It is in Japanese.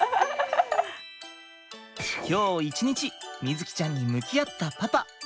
今日一日瑞己ちゃんに向き合ったパパ。